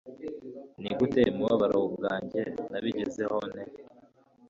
Nigute, mubabaro bwanjye, nabigezeho nte